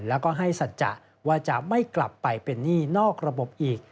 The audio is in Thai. แล้วก็ให้สัจจะว่าจะไม่กลับไปเป็นหนี้นอกระบบอีก